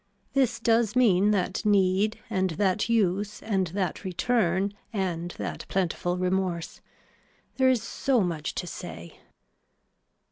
This does mean that need and that use and that return and that plentiful remorse. There is so much to say.